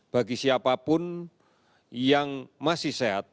bagi siapapun yang masih sehat